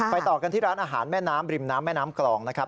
ต่อกันที่ร้านอาหารแม่น้ำริมน้ำแม่น้ำกลองนะครับ